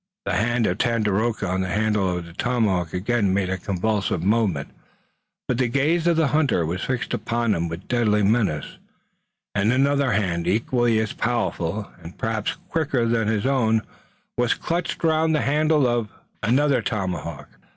The hand of Tandakora on the handle of his tomahawk again made a convulsive movement, but the gaze of the hunter was fixed upon him with deadly menace, and another hand equally as powerful and perhaps quicker than his own was clutched around the handle of another tomahawk.